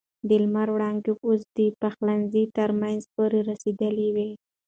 د لمر وړانګې اوس د پخلنځي تر منځه پورې رسېدلې وې.